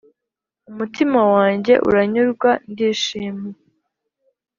Umutima wanjye uranyurwa ndishima